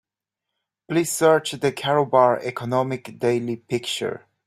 Please search the Karobar Economic Daily picture.